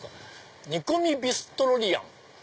「煮込みビストロリアン」。